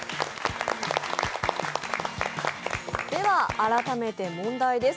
改めて問題です。